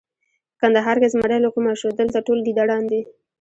په کندهار کې زمری له کومه شو! دلته ټول ګیدړان دي.